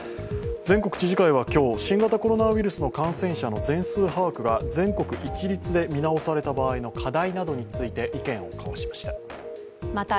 全国知事会は今日、新型コロナウイルスの感染者の全数把握が全国一律で見直された場合の課題などについて意見を交わしました。